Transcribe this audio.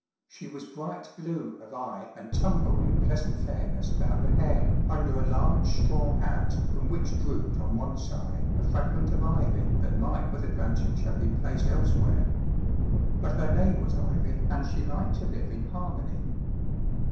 She w T as bright blue of eye and tumbled in pleasant fairness about the hair, under a large straw hat from which drooped on one side a fragment of ivy that might with advantage have been placed elsewhere. But her name was Ivy, and she liked to live in harmony.